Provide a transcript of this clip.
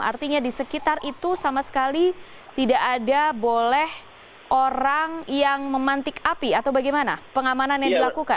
artinya di sekitar itu sama sekali tidak ada boleh orang yang memantik api atau bagaimana pengamanan yang dilakukan